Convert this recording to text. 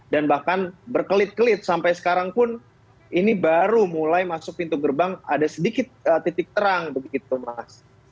dan bahkan berkelit kelit sampai sekarang pun ini baru mulai masuk pintu gerbang ada sedikit titik terang begitu mas